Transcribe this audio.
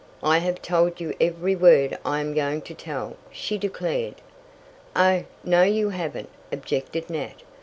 "I have told you every word I am going to tell," she declared. "Oh, no you haven't," objected Nat.